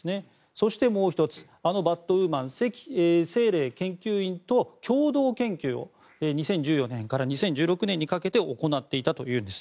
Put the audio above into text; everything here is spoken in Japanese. そして、もう１つあのバットウーマンセキ・セイレイ研究員と共同研究を２０１４年から２０１６年にかけて行っていたというんです。